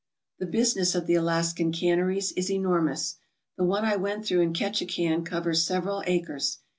The business of the Alaskan canneries is enormous. The one I went through in Ketchikan covers several acres.